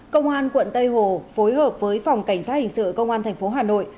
công an quận tây hồ phối hợp với phòng cảnh sát hình sự công an tp hà nội